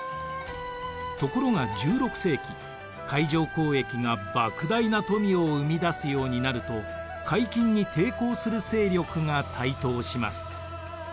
ところが１６世紀海上交易がばく大な富を生み出すようになると海禁に抵抗する勢力が台頭します。